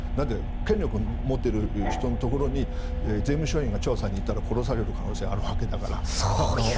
権力を持っている人のところに税務署員が行ったら殺される可能性があるわけだから。